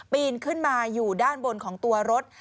ปีนขึ้นมาอยู่ด้านบนของตัวรถ